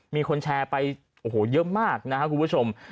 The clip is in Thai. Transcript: มีคนแชร์ไปโอ้โหเยอะมากนะครับคุณผู้ชม